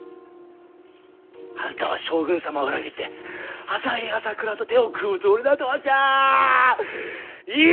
あんたは将軍様を裏切って浅井朝倉と手を組むつもりだとわしゃあ言い触らしたるでよ！